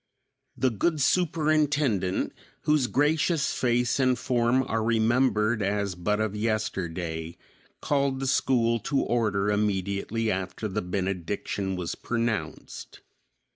The good superintendent, whose gracious face and form are remembered as but of yesterday, called the school to order immediately after the benediction was pronounced.